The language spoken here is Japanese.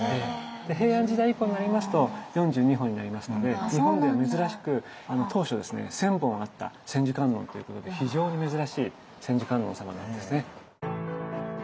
平安時代以降になりますと４２本になりますので日本では珍しく当初ですね千本あった千手観音ということで非常に珍しい千手観音様なんですね。